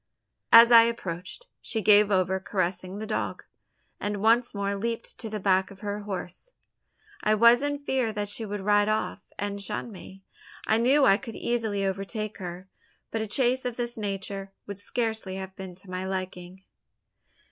As I approached, she gave over caressing the dog; and once more leaped to the back of her horse. I was in fear that she would ride off, and shun me. I knew I could easily overtake her; but a chase of this nature would scarcely have been to my liking.